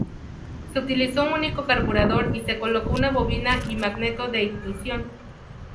Se utilizó un único carburador, y se colocó una bobina y magneto de ignición.